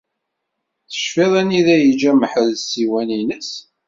Tecfiḍ anida yeǧǧa Meḥrez ssiwan-ines?